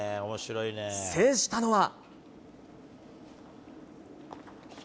制したのは。